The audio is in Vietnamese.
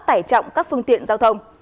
tải trọng các phương tiện giao thông